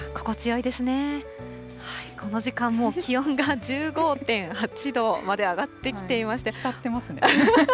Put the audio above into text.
この時間もう気温が１５．８度まで上がってきていまして。